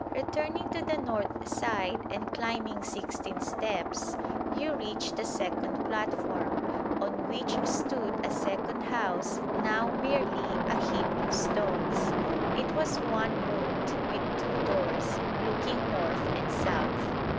Returning to the north side and climbing sixteen steps, you reach the second platform, on which stood a second house now merely a heap of stones. It was one roomed with two doors, looking north and south.